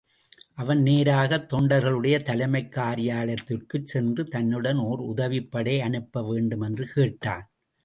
அவன் நேராகத் தொண்டர்களுடைய தலைமைக் காரியாலயத்திற்குச் சென்று தன்னுடன் ஒர் உதவிப்படை அனுப்பவேண்டும் என்று கேட்டான்.